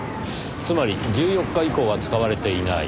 つまり１４日以降は使われていない。